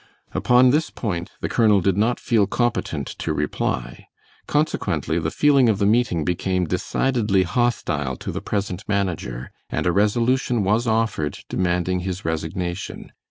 Upon this point the colonel did not feel competent to reply; consequently the feeling of the meeting became decidedly hostile to the present manager, and a resolution was offered demanding his resignation.